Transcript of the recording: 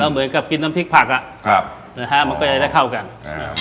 เหมือนกับกินน้ำพริกผักอ่ะครับนะฮะมันก็จะได้เข้ากันอ่า